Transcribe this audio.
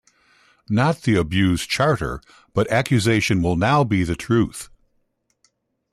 Not the abused "Charter", but accusation will now be the truth.